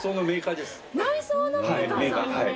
内装のメーカーさん。